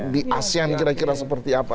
di asean kira kira seperti apa